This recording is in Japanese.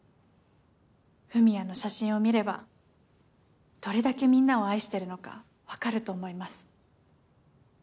史也の写真を見ればどれだけみんなを愛してるのか分かると思います。